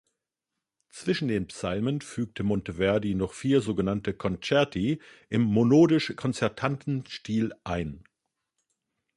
Zwischen den Psalmen fügte Monteverdi noch vier so genannte Concerti im monodisch-konzertanten Stil ein.